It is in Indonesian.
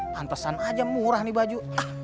pantasan aja murah nih baju